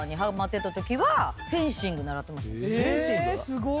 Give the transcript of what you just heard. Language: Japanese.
すごい！